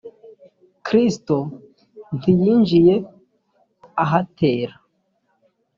kristo ntiyinjiye ahatera.